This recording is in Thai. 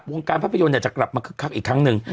วงการภาพยนตร์จะกลับมาคึกคักอีกครั้งหนึ่ง